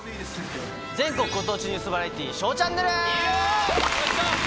さらに全国ご当地ニュースバラエティー『ＳＨＯＷチャンネル』！